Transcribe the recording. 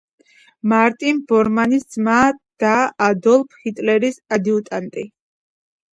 მარტინ ბორმანის ძმა და ადოლფ ჰიტლერის ადიუტანტი.